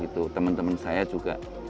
teman teman saya juga